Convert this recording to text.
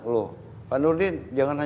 ya tentu mereka mengatakan